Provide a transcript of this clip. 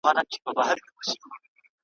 موږ ته ډک کندو له شاتو مالامال وي ,